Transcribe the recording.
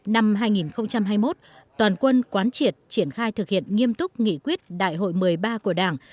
năm hai nghìn hai mươi một toàn quân quán triệt triển khai thực hiện nghiêm túc nghị quyết đại hội một mươi ba của đảng